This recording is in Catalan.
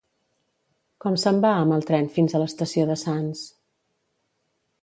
Com se'n va amb el tren fins a l'estació de Sants?